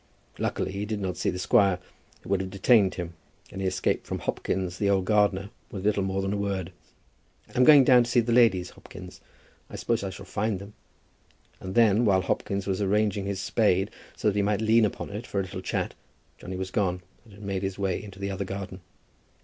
Luckily he did not see the squire, who would have detained him, and he escaped from Hopkins, the old gardener, with little more than a word. "I'm going down to see the ladies, Hopkins; I suppose I shall find them?" And then, while Hopkins was arranging his spade so that he might lean upon it for a little chat, Johnny was gone and had made his way into the other garden.